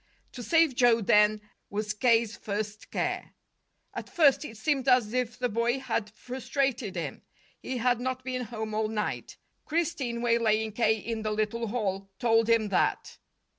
To save Joe, then, was K.'s first care. At first it seemed as if the boy had frustrated him. He had not been home all night. Christine, waylaying K. in the little hall, told him that.